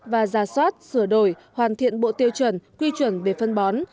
và ra soát sửa đổi hoàn thiện bộ tiêu chuẩn quy chuẩn về phân bón